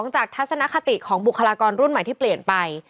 จากทัศนคติของบุคลากรรุ่นใหม่ที่เปลี่ยนไป